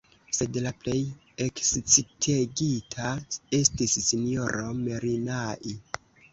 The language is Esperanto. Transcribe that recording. Sed la plej ekscitegita estis S-ro Merinai.